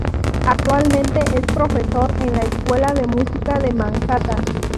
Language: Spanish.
Actualmente es profesor en la Escuela de Música de Manhattan.